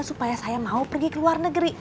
supaya saya mau pergi ke luar negeri